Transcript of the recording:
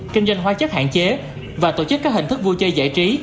kinh doanh hóa chất hạn chế và tổ chức các hình thức vui chơi giải trí